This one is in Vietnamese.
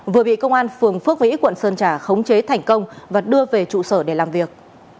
vừa bị công an phường phước vĩ quận sơn trà khống chế thành công và đưa về trụ sở để làm việc